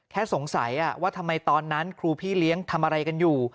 แค่สงสัยว่าทำไมตอนนั้นครูพี่เลี้ยงทำอะไรกันอยู่